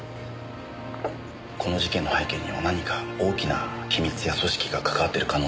この事件の背景には何か大きな機密や組織が関わってる可能性もある。